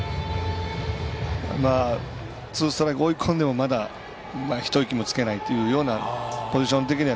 ツーストライク追い込んでもまだ一息もつけないというようなポジション的には。